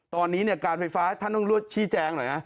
ตอนนี้การไฟฟ้าท่านต้องรวดชี้แจงหน่อยนะ